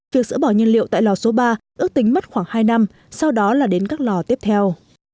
việc sỡ bỏ nhân liệu tại lò số ba ước tính mất khoảng hai năm sau đó là đến các lò tiếp theo